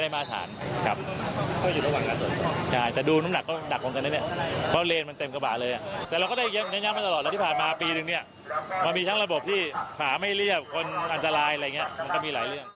โปรดติดตามตอนต่อไป